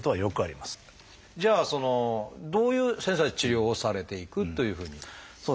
じゃあどういう先生は治療をされていくというふうに。